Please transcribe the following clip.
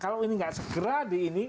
kalau ini nggak segera di ini